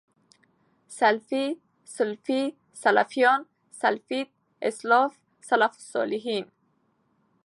سلفي، سلفۍ، سلفيان، سلفيَت، اسلاف، سلف صالحين